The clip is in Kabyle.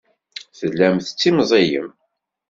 Tellam tettimẓiyem.